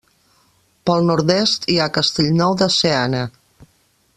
Pel nord-est hi ha Castellnou de Seana.